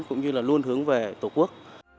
cũng như là luôn hướng về tổ quốc